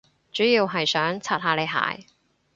主要係想刷下你鞋